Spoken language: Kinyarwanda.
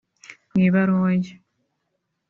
Mu ibaruwa ye